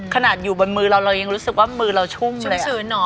ขนาดอยู่บนมือเรายังรู้สึกว่ามือเราชุ่มชุ่มชื้นอ๋อ